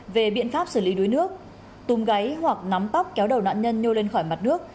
về biện pháp xử lý đuối nước tùm gáy hoặc nắm bắt kéo đầu nạn nhân nhô lên khỏi mặt nước